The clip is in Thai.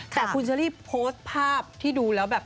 แต่คุณเชอรี่โพสต์ภาพที่ดูแล้วแบบ